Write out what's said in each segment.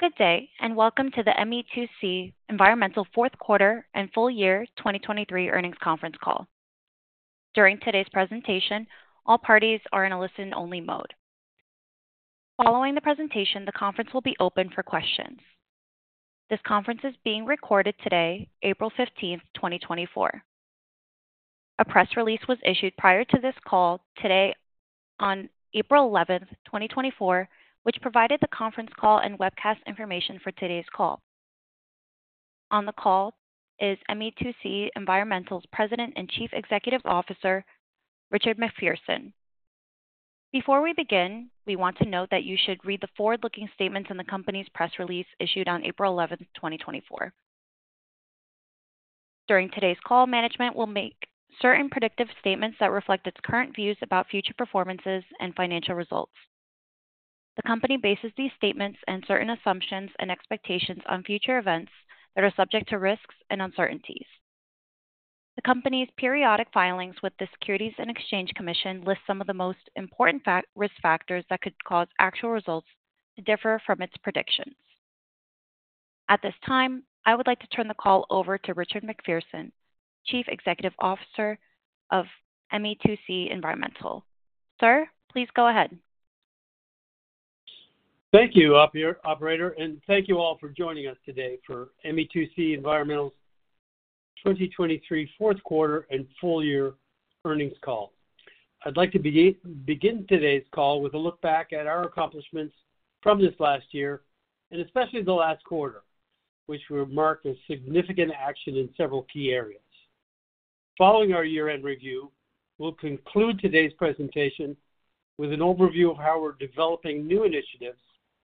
Good day and welcome to the ME2C Environmental Fourth Quarter and Full Year 2023 Earnings Conference call. During today's presentation, all parties are in a listen-only mode. Following the presentation, the conference will be open for questions. This conference is being recorded today, April 15, 2024. A press release was issued prior to this call today on April 11, 2024, which provided the conference call and webcast information for today's call. On the call is ME2C Environmental's President and Chief Executive Officer, Richard MacPherson. Before we begin, we want to note that you should read the forward-looking statements in the company's press release issued on April 11, 2024. During today's call, management will make certain predictive statements that reflect its current views about future performances and financial results. The company bases these statements and certain assumptions and expectations on future events that are subject to risks and uncertainties. The company's periodic filings with the Securities and Exchange Commission list some of the most important risk factors that could cause actual results to differ from its predictions. At this time, I would like to turn the call over to Richard MacPherson, Chief Executive Officer of ME2C Environmental. Sir, please go ahead. Thank you, operator, and thank you all for joining us today for ME2C Environmental's 2023 Fourth Quarter and Full Year Earnings call. I'd like to begin today's call with a look back at our accomplishments from this last year and especially the last quarter, which were marked as significant action in several key areas. Following our year-end review, we'll conclude today's presentation with an overview of how we're developing new initiatives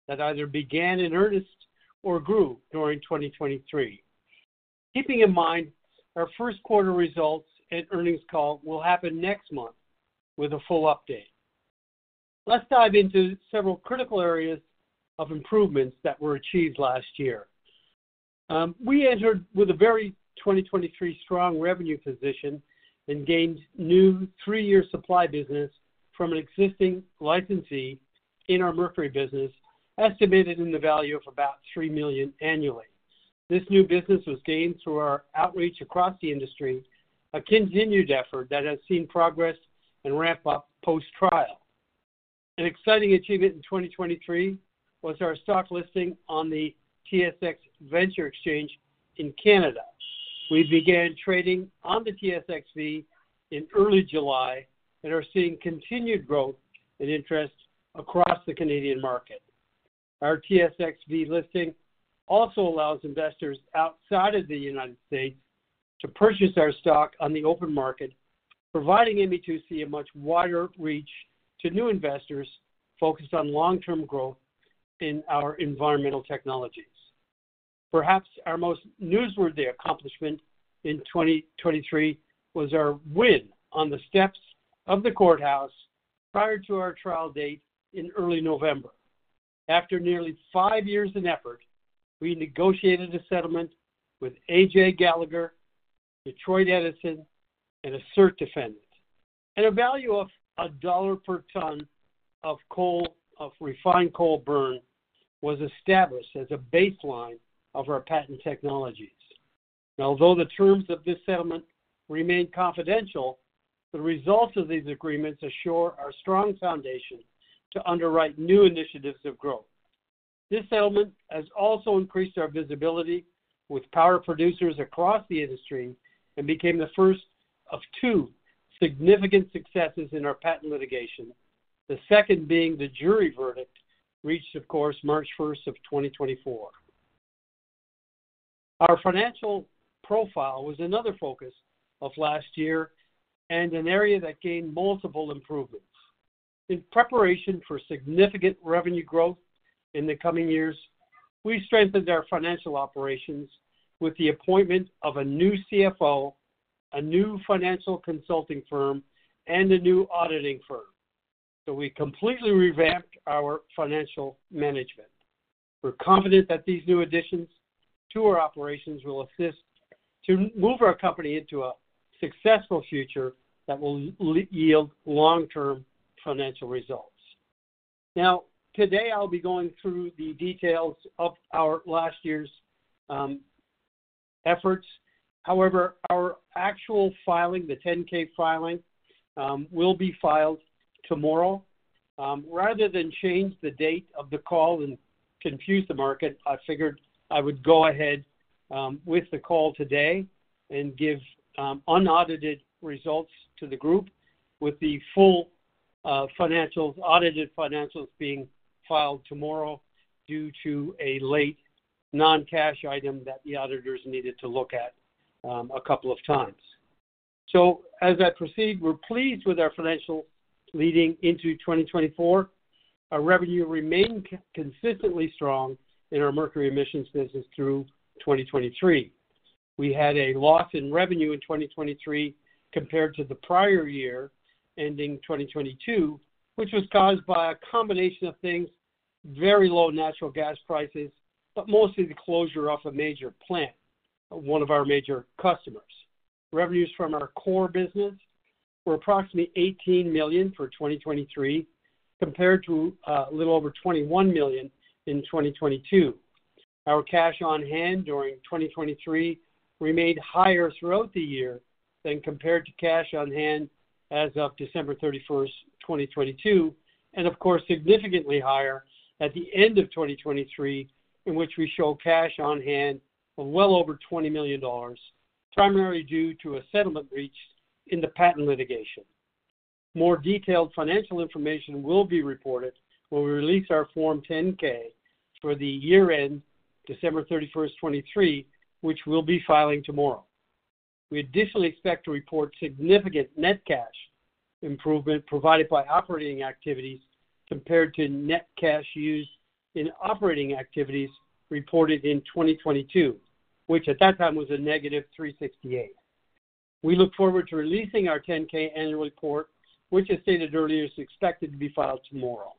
that either began in earnest or grew during 2023. Keeping in mind, our first quarter results and earnings call will happen next month with a full update. Let's dive into several critical areas of improvements that were achieved last year. We entered 2023 with a very strong revenue position and gained new three-year supply business from an existing licensee in our mercury business estimated in the value of about $3 million annually. This new business was gained through our outreach across the industry, a continued effort that has seen progress and ramp-up post-trial. An exciting achievement in 2023 was our stock listing on the TSX Venture Exchange in Canada. We began trading on the TSXV in early July and are seeing continued growth in interest across the Canadian market. Our TSXV listing also allows investors outside of the United States to purchase our stock on the open market, providing ME2C a much wider reach to new investors focused on long-term growth in our environmental technologies. Perhaps our most newsworthy accomplishment in 2023 was our win on the steps of the courthouse prior to our trial date in early November. After nearly five years of effort, we negotiated a settlement with A.J. Gallagher, Detroit Edison, and a certain defendant, and a value of $1 per ton of refined coal burn was established as a baseline of our patent technologies. Although the terms of this settlement remain confidential, the results of these agreements assure our strong foundation to underwrite new initiatives of growth. This settlement has also increased our visibility with power producers across the industry and became the first of two significant successes in our patent litigation, the second being the jury verdict reached, of course, March 1 of 2024. Our financial profile was another focus of last year and an area that gained multiple improvements. In preparation for significant revenue growth in the coming years, we strengthened our financial operations with the appointment of a new CFO, a new financial consulting firm, and a new auditing firm, so we completely revamped our financial management. We're confident that these new additions to our operations will assist to move our company into a successful future that will yield long-term financial results. Now, today I'll be going through the details of our last year's efforts. However, our actual filing, the 10-K filing, will be filed tomorrow. Rather than change the date of the call and confuse the market, I figured I would go ahead with the call today and give unaudited results to the group, with the full audited financials being filed tomorrow due to a late non-cash item that the auditors needed to look at a couple of times. So as I proceed, we're pleased with our financials leading into 2024. Our revenue remained consistently strong in our mercury emissions business through 2023. We had a loss in revenue in 2023 compared to the prior year ending 2022, which was caused by a combination of things: very low natural gas prices, but mostly the closure of a major plant, one of our major customers. Revenues from our core business were approximately $18 million for 2023 compared to a little over $21 million in 2022. Our cash on hand during 2023 remained higher throughout the year than compared to cash on hand as of December 31, 2022, and of course, significantly higher at the end of 2023, in which we show cash on hand of well over $20 million, primarily due to a settlement reached in the patent litigation. More detailed financial information will be reported when we release our Form 10-K for the year-end, December 31, 2023, which we'll be filing tomorrow. We additionally expect to report significant net cash improvement provided by operating activities compared to net cash used in operating activities reported in 2022, which at that time was a negative $368. We look forward to releasing our 10-K annual report, which, as stated earlier, is expected to be filed tomorrow.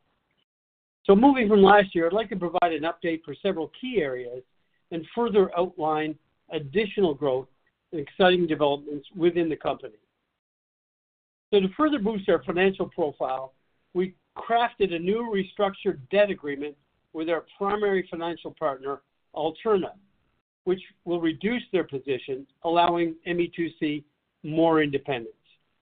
So moving from last year, I'd like to provide an update for several key areas and further outline additional growth and exciting developments within the company. So to further boost our financial profile, we crafted a new restructured debt agreement with our primary financial partner, Alterna, which will reduce their position, allowing ME2C more independence.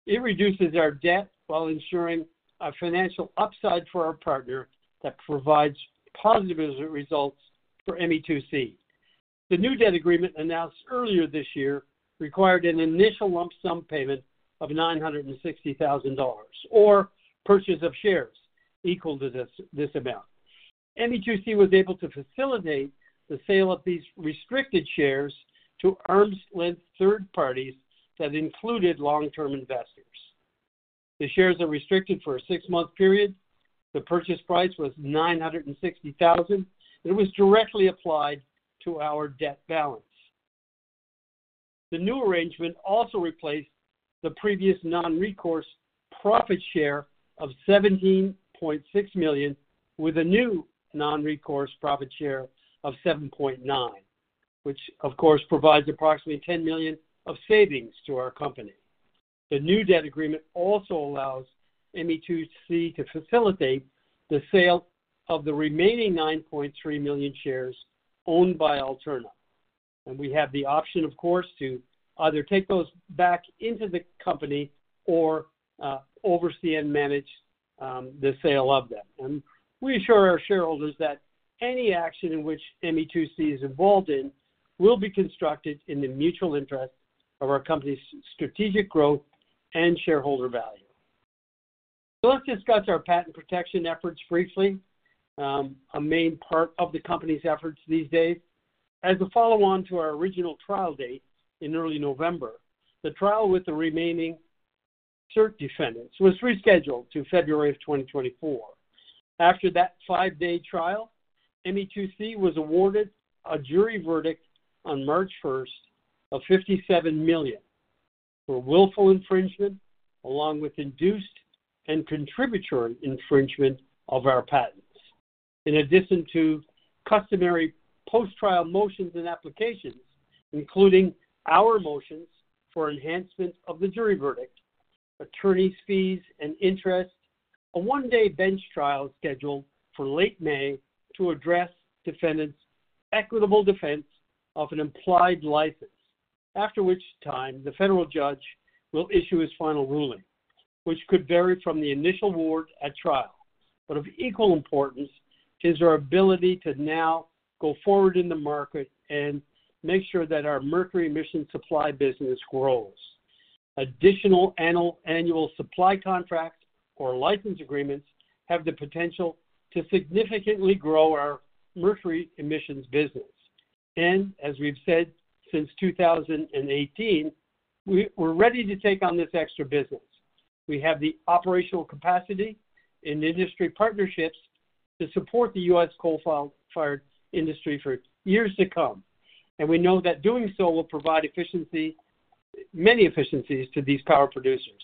It reduces our debt while ensuring a financial upside for our partner that provides positive results for ME2C. The new debt agreement announced earlier this year required an initial lump sum payment of $960,000, or purchase of shares equal to this amount. ME2C was able to facilitate the sale of these restricted shares to arm's-length third parties that included long-term investors. The shares are restricted for a six-month period. The purchase price was $960,000, and it was directly applied to our debt balance. The new arrangement also replaced the previous non-recourse profit share of $17.6 million with a new non-recourse profit share of $7.9 million, which, of course, provides approximately $10 million of savings to our company. The new debt agreement also allows ME2C to facilitate the sale of the remaining 9.3 million shares owned by Alterna. And we have the option, of course, to either take those back into the company or oversee and manage the sale of them. We assure our shareholders that any action in which ME2C is involved in will be constructed in the mutual interest of our company's strategic growth and shareholder value. Let's discuss our patent protection efforts briefly, a main part of the company's efforts these days. As a follow-on to our original trial date in early November, the trial with the remaining cert defendants was rescheduled to February of 2024. After that 5-day trial, ME2C was awarded a jury verdict on March 1 of $57 million for willful infringement along with induced and contributory infringement of our patents, in addition to customary post-trial motions and applications, including our motions for enhancement of the jury verdict, attorney's fees and interest, a 1-day bench trial scheduled for late May to address defendants' equitable defense of an implied license, after which time the federal judge will issue his final ruling, which could vary from the initial award at trial. But of equal importance is our ability to now go forward in the market and make sure that our mercury emissions supply business grows. Additional annual supply contracts or license agreements have the potential to significantly grow our mercury emissions business. As we've said since 2018, we're ready to take on this extra business. We have the operational capacity and industry partnerships to support the U.S. coal-fired industry for years to come, and we know that doing so will provide many efficiencies to these power producers.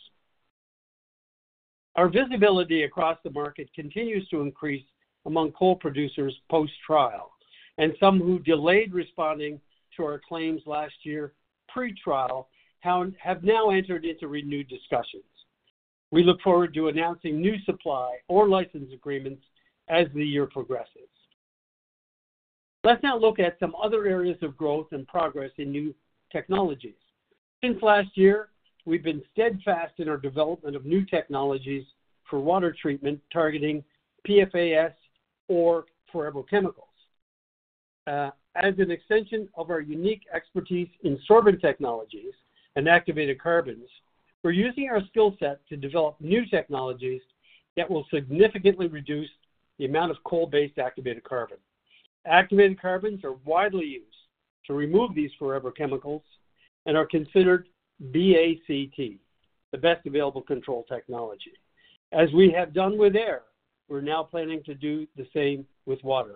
Our visibility across the market continues to increase among coal producers post-trial, and some who delayed responding to our claims last year pre-trial have now entered into renewed discussions. We look forward to announcing new supply or license agreements as the year progresses. Let's now look at some other areas of growth and progress in new technologies. Since last year, we've been steadfast in our development of new technologies for water treatment targeting PFAS or forever chemicals. As an extension of our unique expertise in sorbent technologies and activated carbons, we're using our skill set to develop new technologies that will significantly reduce the amount of coal-based activated carbon. Activated carbons are widely used to remove these forever chemicals and are considered BACT, the best available control technology. As we have done with air, we're now planning to do the same with water,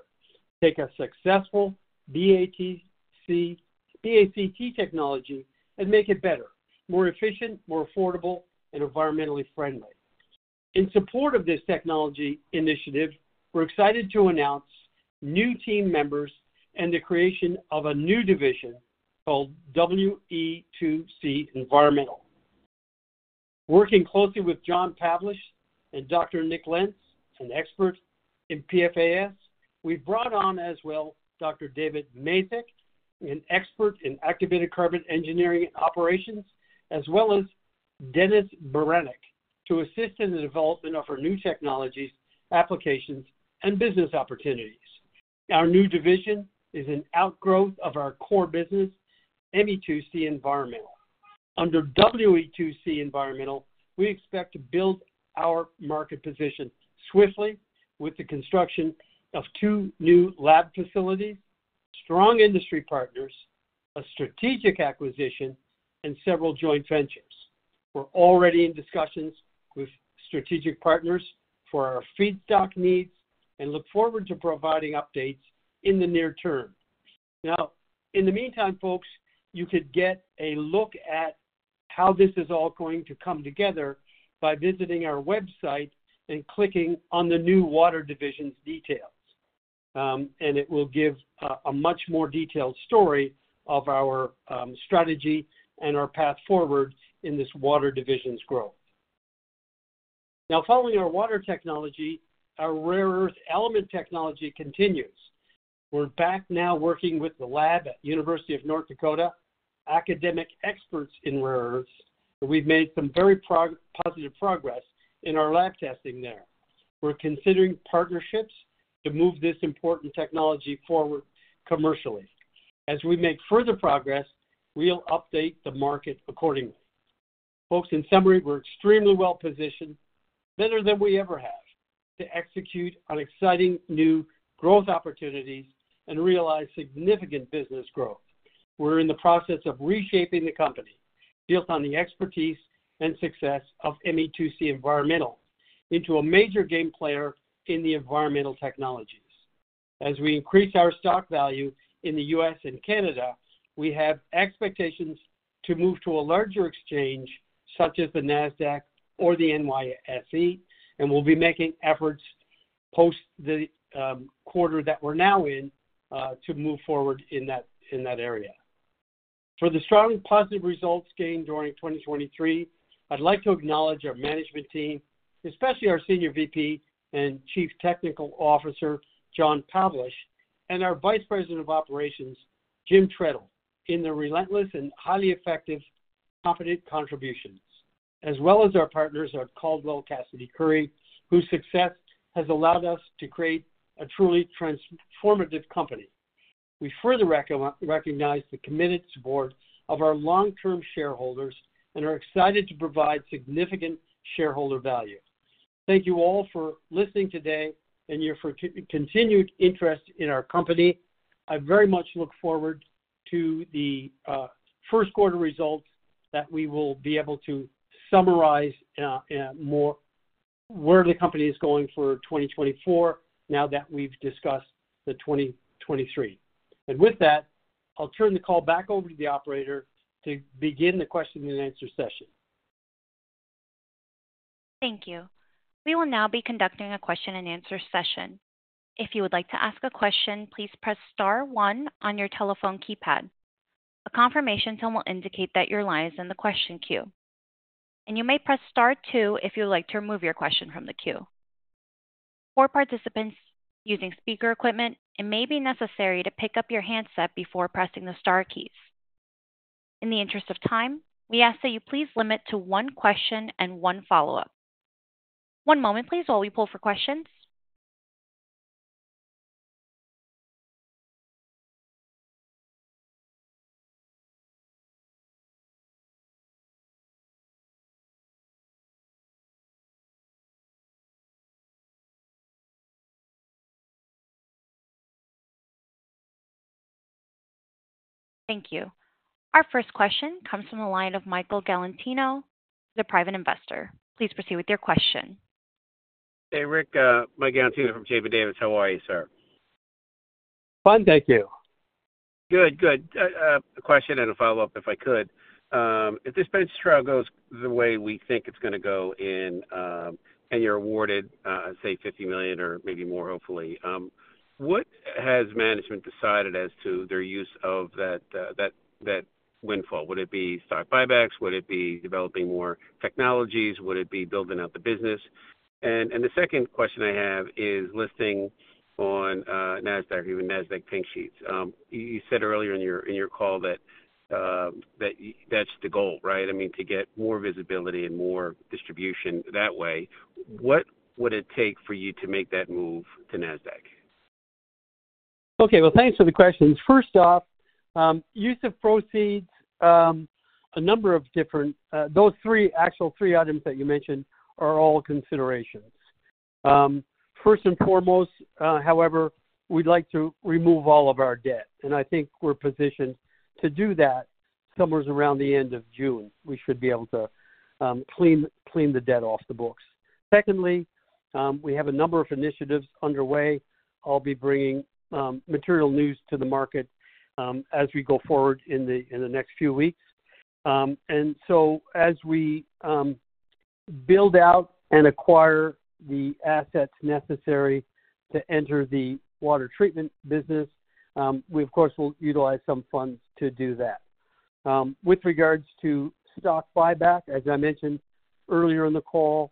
take a successful BACT technology and make it better, more efficient, more affordable, and environmentally friendly. In support of this technology initiative, we're excited to announce new team members and the creation of a new division called WE2C Environmental. Working closely with John Pavlish and Dr. Nick Lentz, an expert in PFAS, we've brought on as well Dr. David Mazyck, an expert in activated carbon engineering and operations, as well as Dennis Baranik to assist in the development of our new technologies, applications, and business opportunities. Our new division is an outgrowth of our core business, ME2C Environmental. Under WE2C Environmental, we expect to build our market position swiftly with the construction of two new lab facilities, strong industry partners, a strategic acquisition, and several joint ventures. We're already in discussions with strategic partners for our feedstock needs and look forward to providing updates in the near term. Now, in the meantime, folks, you could get a look at how this is all going to come together by visiting our website and clicking on the new water division's details, and it will give a much more detailed story of our strategy and our path forward in this water division's growth. Now, following our water technology, our rare earth element technology continues. We're back now working with the lab at University of North Dakota, academic experts in rare earths, and we've made some very positive progress in our lab testing there. We're considering partnerships to move this important technology forward commercially. As we make further progress, we'll update the market accordingly. Folks, in summary, we're extremely well positioned, better than we ever have, to execute on exciting new growth opportunities and realize significant business growth. We're in the process of reshaping the company built on the expertise and success of ME2C Environmental into a major game player in the environmental technologies. As we increase our stock value in the U.S. and Canada, we have expectations to move to a larger exchange such as the NASDAQ or the NYSE, and we'll be making efforts post the quarter that we're now in to move forward in that area. For the strong positive results gained during 2023, I'd like to acknowledge our management team, especially our Senior Vice President and Chief Technical Officer John Pavlish, and our Vice President of Operations James Trettel in their relentless and highly effective, competent contributions, as well as our partners at Caldwell Cassady & Curry, whose success has allowed us to create a truly transformative company. We further recognize the committed support of our long-term shareholders and are excited to provide significant shareholder value. Thank you all for listening today and your continued interest in our company. I very much look forward to the first quarter results that we will be able to summarize more where the company is going for 2024 now that we've discussed the 2023. With that, I'll turn the call back over to the operator to begin the question-and-answer session. Thank you. We will now be conducting a question-and-answer session. If you would like to ask a question, please press star 1 on your telephone keypad. A confirmation tone will indicate that your line is in the question queue. You may press star 2 if you would like to remove your question from the queue. For participants using speaker equipment, it may be necessary to pick up your handset before pressing the star keys. In the interest of time, we ask that you please limit to one question and one follow-up. One moment, please, while we pull for questions. Thank you. Our first question comes from the line of Michael Galantino, the private investor. Please proceed with your question. Hey, Rick. Mike Galantino from Chapin Davis. How are you, sir? Fine, thank you. Good, good. A question and a follow-up, if I could. If this bench trial goes the way we think it's going to go and you're awarded, say, $50 million or maybe more, hopefully, what has management decided as to their use of that windfall? Would it be stock buybacks? Would it be developing more technologies? Would it be building out the business? And the second question I have is listing on NASDAQ or even NASDAQ pink sheets. You said earlier in your call that that's the goal, right? I mean, to get more visibility and more distribution that way. What would it take for you to make that move to NASDAQ? Okay. Well, thanks for the questions. First off, use of proceeds, a number of different, those three actual three items that you mentioned are all considerations. First and foremost, however, we'd like to remove all of our debt, and I think we're positioned to do that somewhere around the end of June. We should be able to clean the debt off the books. Secondly, we have a number of initiatives underway. I'll be bringing material news to the market as we go forward in the next few weeks. And so as we build out and acquire the assets necessary to enter the water treatment business, we, of course, will utilize some funds to do that. With regards to stock buyback, as I mentioned earlier in the call,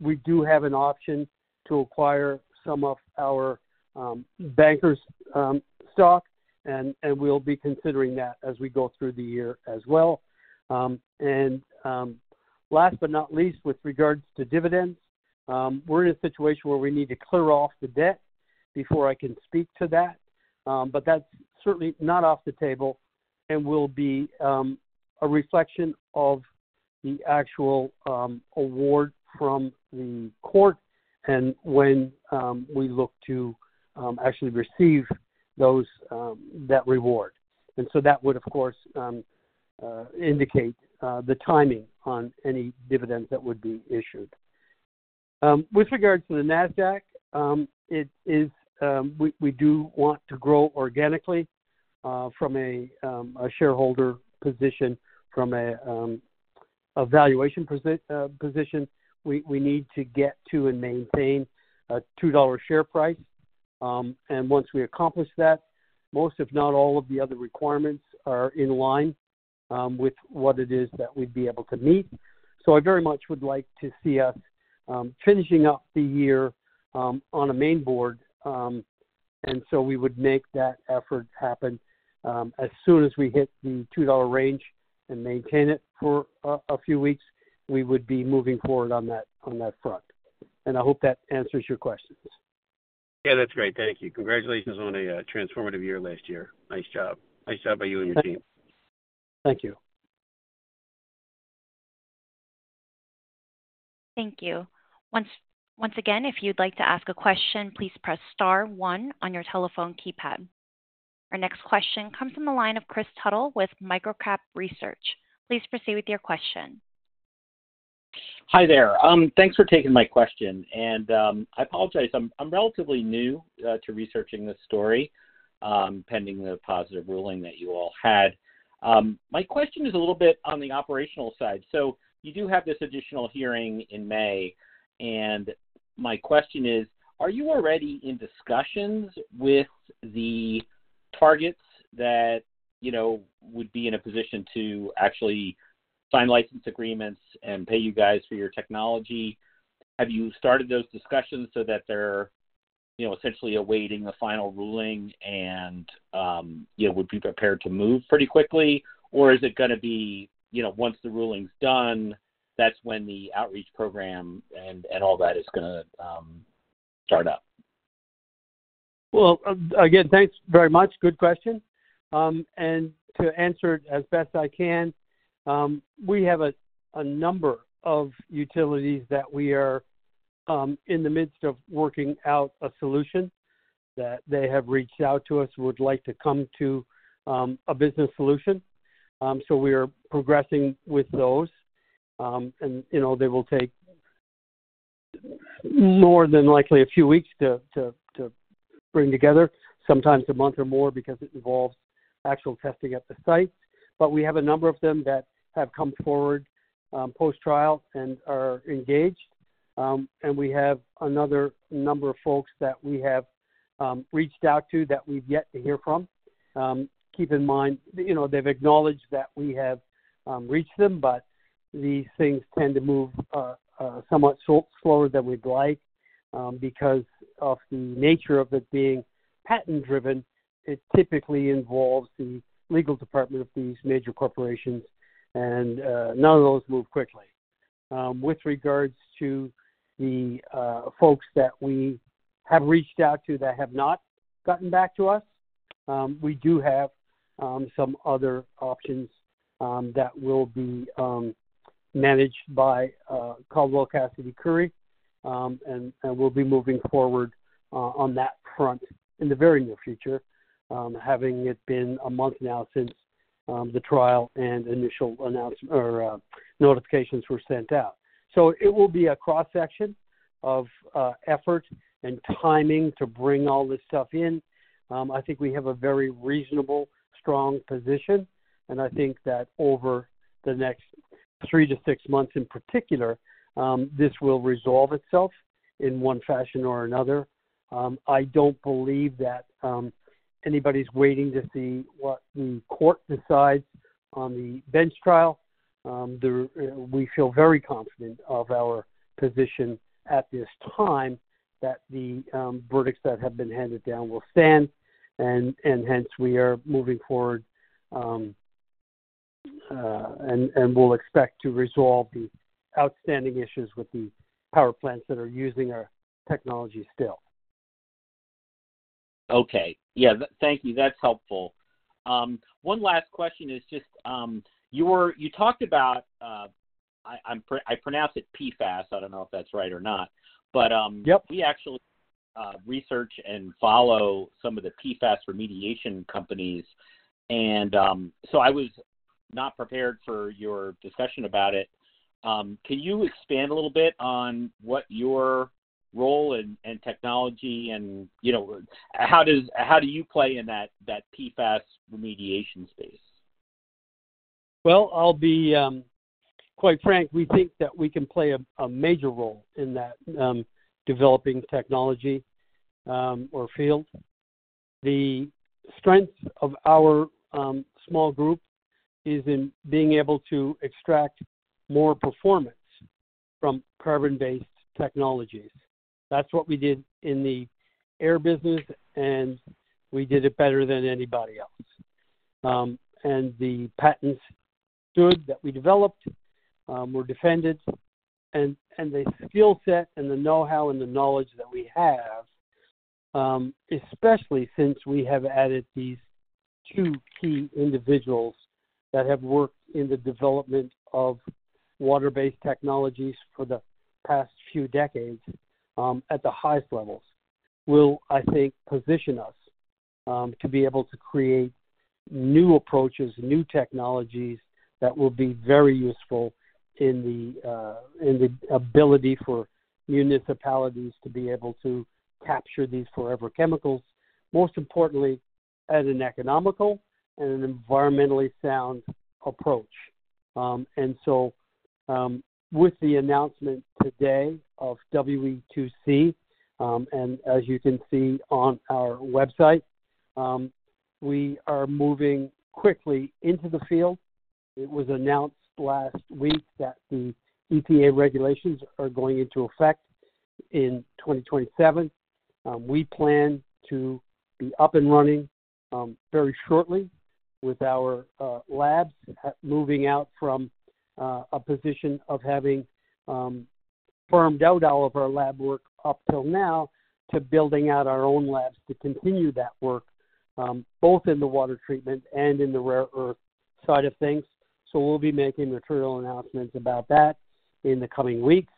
we do have an option to acquire some of our bankers' stock, and we'll be considering that as we go through the year as well. And last but not least, with regards to dividends, we're in a situation where we need to clear off the debt before I can speak to that, but that's certainly not off the table and will be a reflection of the actual award from the court and when we look to actually receive that reward. And so that would, of course, indicate the timing on any dividends that would be issued. With regards to the NASDAQ, we do want to grow organically from a shareholder position, from a valuation position. We need to get to and maintain a $2 share price. And once we accomplish that, most if not all of the other requirements are in line with what it is that we'd be able to meet. So I very much would like to see us finishing up the year on a main board, and so we would make that effort happen. As soon as we hit the $2 range and maintain it for a few weeks, we would be moving forward on that front. And I hope that answers your questions. Yeah, that's great. Thank you. Congratulations on a transformative year last year. Nice job. Nice job by you and your team. Thank you. Thank you. Once again, if you'd like to ask a question, please press star one on your telephone keypad. Our next question comes from the line of Chris Tuttle with Microcap Research. Please proceed with your question. Hi there. Thanks for taking my question. I apologize. I'm relatively new to researching this story pending the positive ruling that you all had. My question is a little bit on the operational side. You do have this additional hearing in May, and my question is, are you already in discussions with the targets that would be in a position to actually sign license agreements and pay you guys for your technology? Have you started those discussions so that they're essentially awaiting the final ruling and would be prepared to move pretty quickly, or is it going to be once the ruling's done, that's when the outreach program and all that is going to start up? Well, again, thanks very much. Good question. And to answer it as best I can, we have a number of utilities that we are in the midst of working out a solution that they have reached out to us, would like to come to a business solution. So we are progressing with those, and they will take more than likely a few weeks to bring together, sometimes a month or more because it involves actual testing at the site. But we have a number of them that have come forward post-trial and are engaged. And we have another number of folks that we have reached out to that we've yet to hear from. Keep in mind, they've acknowledged that we have reached them, but these things tend to move somewhat slower than we'd like because of the nature of it being patent-driven. It typically involves the legal department of these major corporations, and none of those move quickly. With regards to the folks that we have reached out to that have not gotten back to us, we do have some other options that will be managed by Caldwell Cassady & Curry, and we'll be moving forward on that front in the very near future, having it been a month now since the trial and initial notifications were sent out. It will be a cross-section of effort and timing to bring all this stuff in. I think we have a very reasonable, strong position, and I think that over the next 3-6 months in particular, this will resolve itself in one fashion or another. I don't believe that anybody's waiting to see what the court decides on the bench trial. We feel very confident of our position at this time that the verdicts that have been handed down will stand, and hence we are moving forward and will expect to resolve the outstanding issues with the power plants that are using our technology still. Okay. Yeah, thank you. That's helpful. One last question is just you talked about I pronounce it PFAS. I don't know if that's right or not, but we actually research and follow some of the PFAS remediation companies, and so I was not prepared for your discussion about it. Can you expand a little bit on what your role in technology and how do you play in that PFAS remediation space? Well, I'll be quite frank. We think that we can play a major role in that developing technology or field. The strength of our small group is in being able to extract more performance from carbon-based technologies. That's what we did in the air business, and we did it better than anybody else. And the patents stood that we developed, were defended, and the skill set and the know-how and the knowledge that we have, especially since we have added these two key individuals that have worked in the development of water-based technologies for the past few decades at the highest levels, will, I think, position us to be able to create new approaches, new technologies that will be very useful in the ability for municipalities to be able to capture these forever chemicals, most importantly at an economical and an environmentally sound approach. With the announcement today of WE2C, and as you can see on our website, we are moving quickly into the field. It was announced last week that the EPA regulations are going into effect in 2027. We plan to be up and running very shortly with our labs moving out from a position of having farmed out all of our lab work up till now to building out our own labs to continue that work, both in the water treatment and in the rare earth side of things. We'll be making material announcements about that in the coming weeks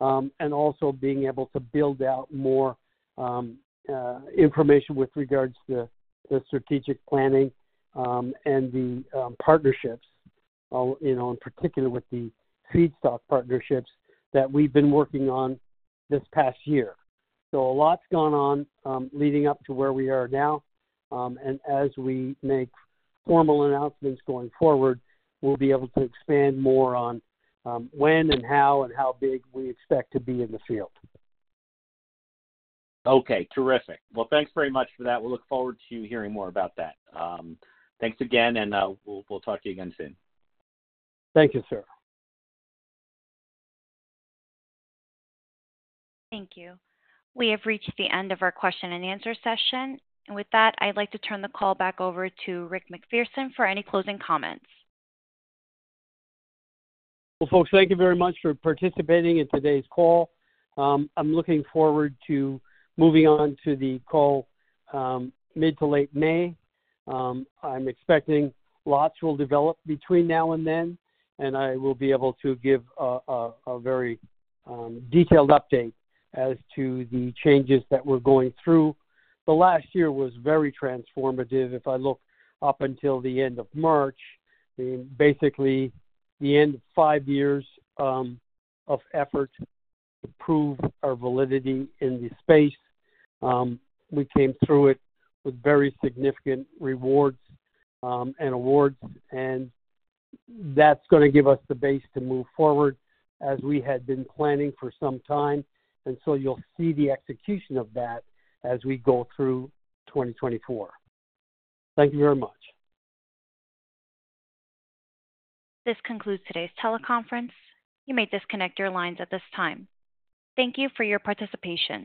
and also being able to build out more information with regards to the strategic planning and the partnerships, in particular with the feedstock partnerships that we've been working on this past year. So a lot's gone on leading up to where we are now, and as we make formal announcements going forward, we'll be able to expand more on when and how and how big we expect to be in the field. Okay. Terrific. Well, thanks very much for that. We'll look forward to hearing more about that. Thanks again, and we'll talk to you again soon. Thank you, sir. Thank you. We have reached the end of our question-and-answer session. And with that, I'd like to turn the call back over to Rick MacPherson for any closing comments. Well, folks, thank you very much for participating in today's call. I'm looking forward to moving on to the call mid to late May. I'm expecting lots will develop between now and then, and I will be able to give a very detailed update as to the changes that we're going through. The last year was very transformative. If I look up until the end of March, basically the end of five years of effort to prove our validity in the space, we came through it with very significant rewards and awards, and that's going to give us the base to move forward as we had been planning for some time. So you'll see the execution of that as we go through 2024. Thank you very much. This concludes today's teleconference. You may disconnect your lines at this time. Thank you for your participation.